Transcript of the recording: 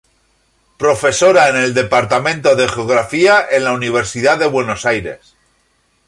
Profesora en el Departamento de Geografía en la Universidad de Buenos Aires.